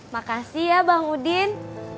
makasih ya bang udin